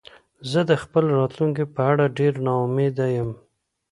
زه د خپل راتلونکې په اړه ډېره نا امیده یم